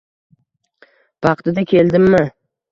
Vaqtida keldimmi?